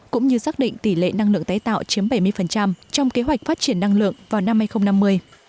cũng như xác định tỷ lệ năng lượng tái tạo chiếm bảy mươi trong kế hoạch phát triển năng lượng vào năm hai nghìn năm mươi